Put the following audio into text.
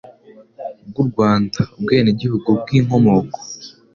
bw'u Rwanda, ubwenegihugu bw'inkomoko